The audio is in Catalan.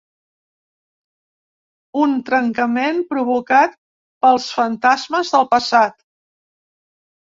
Un trencament provocat pels fantasmes del passat.